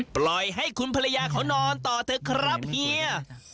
ปล่อยให้คุณภรรยาเขานอนต่อเถอะครับเฮีย